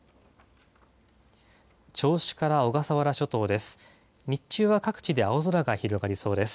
銚子から小笠原諸島です。